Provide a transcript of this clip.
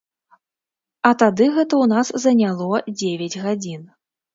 А тады гэта ў нас заняло дзевяць гадзін.